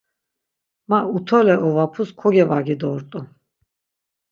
Ma utole ovapus kogevagi dort̆u.